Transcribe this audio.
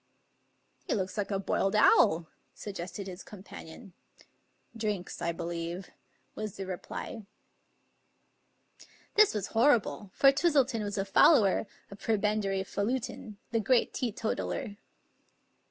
" He looks like a boiled owl," suggested his companion. " Drinks, I believe," was the reply. This was horrible, for Twistleton was a follower of Pre bendary Falutin, the great teetotaller.